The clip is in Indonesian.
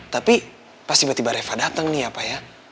tapi pas tiba tiba reva dateng nih apa ya